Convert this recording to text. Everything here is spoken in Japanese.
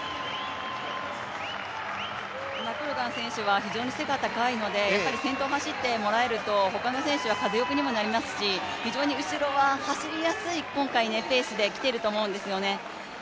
マコルガン選手は非常に背が高いので先頭を走ってもらえると他の選手は風よけにもなりますし非常に後ろは走りやすい今回ペースできていると思うんですね。